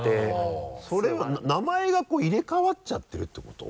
それは名前が入れ替わっちゃってるってこと？